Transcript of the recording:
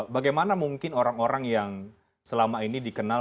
bagaimana mungkin orang orang yang selama ini dikenal